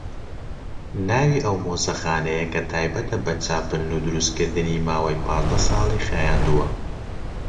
ناوی ئەو مۆزەخانەیە کە تایبەتە بە چاپلن و دروستکردنی ماوەی پازدە ساڵی خایاندووە